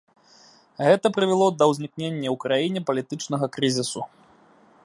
Гэта прывяло да ўзнікнення ў краіне палітычнага крызісу.